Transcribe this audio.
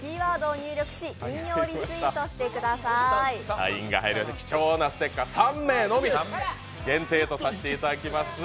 サインが入っている貴重なステッカー、３名のみ限定とさせていただきます